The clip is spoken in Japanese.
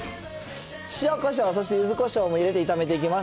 塩こしょう、そしてゆずこしょうも入れて、炒めていきます。